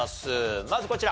まずこちら。